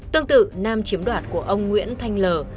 tương tự nam chiếm đoạt của ông nguyễn thanh l